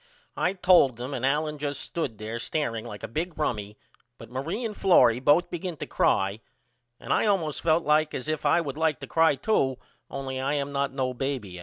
I told them and Allen just stood there stareing like a big rummy but Marie and Florrie both begin to cry and I almost felt like as if I would like to cry to only I am not no baby Al.